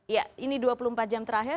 ya ini dua puluh empat jam terakhir